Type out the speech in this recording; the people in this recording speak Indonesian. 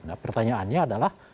nah pertanyaannya adalah